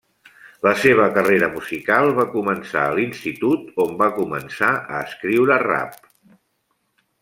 La seva carrera musical va començar a l'institut on va començar a escriure rap.